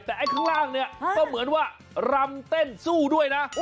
แต่ไอ้ข้างล่างเนี่ยก็เหมือนว่ารำเต้นสู้ด้วยนะ